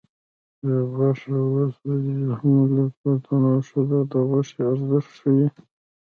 چې غوښه وسوځي هم له پیتو نه ښه ده د غوښې ارزښت ښيي